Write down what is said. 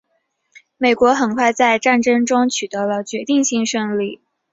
美国很快在战争中取得了决定性胜利。